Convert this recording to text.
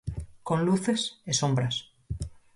Con luces, e sombras.